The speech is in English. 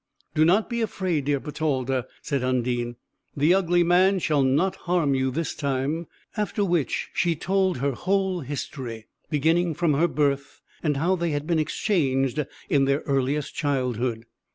"Do not be afraid, dear Bertalda," said Undine, "the ugly man shall not harm you this time." After which she told her whole history, beginning from her birth, and how they had been exchanged in their earliest childhood.